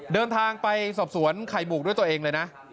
เดินทางไปสอบสวนไข่บุกด้วยตัวเองเลยนะ